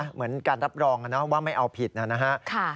เหมือนการรับรองนะว่าไม่เอาผิดนะครับ